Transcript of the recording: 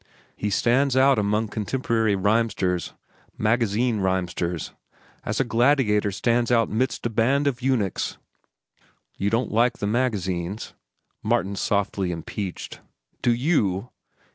He stands out among contemporary rhymesters—magazine rhymesters—as a gladiator stands out in the midst of a band of eunuchs." "You don't like the magazines," Martin softly impeached. "Do you?"